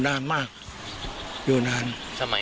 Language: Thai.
ฐานพระพุทธรูปทองคำ